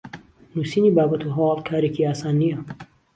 نوسینی بابەت و هەواڵ کارێکی ئاسان نییە